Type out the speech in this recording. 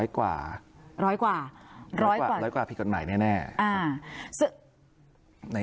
๑๐๐กว่าพิกัติใหม่แน่